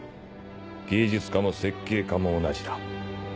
芸術家も設計家も同じだ。